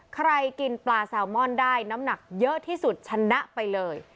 กินปลาแซลมอนได้น้ำหนักเยอะที่สุดชนะไปเลย